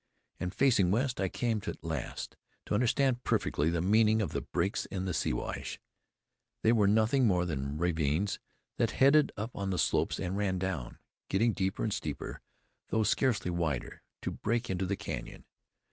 And facing west, I came, at last, to understand perfectly the meaning of the breaks in the Siwash. They were nothing more than ravines that headed up on the slopes and ran down, getting steeper and steeper, though scarcely wider, to break into the canyon.